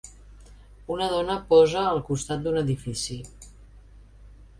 Una dona posa al costat d'un edifici.